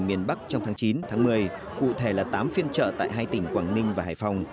trong lần trở lại thị trường miền bắc trong tháng chín tháng một mươi cụ thể là tám phiên trợ tại hai tỉnh quảng ninh và hải phòng